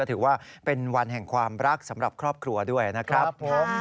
ถือว่าเป็นวันแห่งความรักสำหรับครอบครัวด้วยนะครับผม